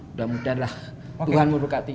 mudah mudahan tuhan memberkati